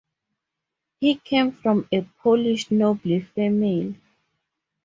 He came from a Polish noble family.